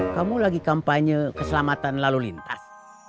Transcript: kamu lagi kampanye keselamatan lalu lintas